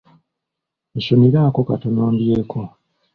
Nsuniraako katono ndyeko.